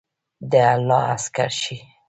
د الله عسکر شئ!